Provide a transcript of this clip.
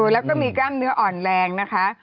แล้วก็มีกล้ามเนื้ออ่อนแรงนะคะ